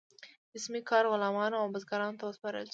جسمي کار غلامانو او بزګرانو ته وسپارل شو.